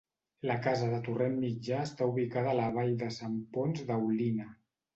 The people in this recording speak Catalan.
La casa de Torrent Mitjà està ubicada a la Vall de Sant Ponç d'Aulina.